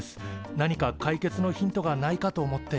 なにか解決のヒントがないかと思って。